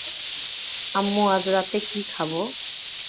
আম্মু, আজ রাতে কী খাব?